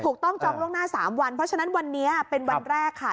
จองล่วงหน้า๓วันเพราะฉะนั้นวันนี้เป็นวันแรกค่ะ